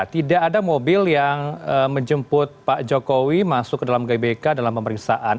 tidak ada mobil yang menjemput pak jokowi masuk ke dalam gbk dalam pemeriksaan